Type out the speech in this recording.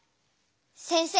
先生。